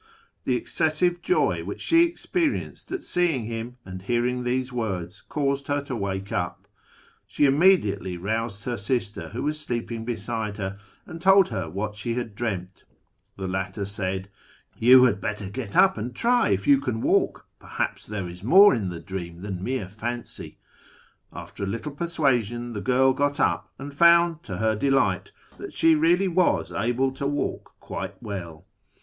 The excessive joy which she experienced at seeing him and hearing these words caused her to wake up. She immediately roused her sister, who was sleeping beside her, and told her what she had dreamed. The latter said, "You had better get up and try if you can walk ; perhaps there is more in the dream than a mere fancy." After a little per suasion the girl got up, and found to her delight that she really was able to walk quite well.